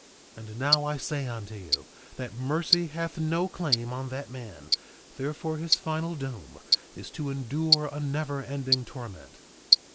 2:39 And now I say unto you, that mercy hath no claim on that man; therefore his final doom is to endure a never ending torment.